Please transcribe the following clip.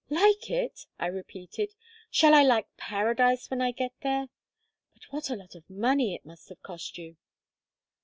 "Like it?" I repeated. "Shall I like Paradise when I get there? But what a lot of money it must have cost you!"